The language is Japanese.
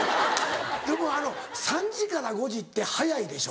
でもあの３時から５時って早いでしょ？